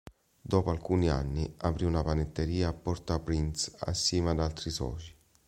Dopo alcuni anni aprì una panetteria a Port-au-Prince assieme ad altri soci.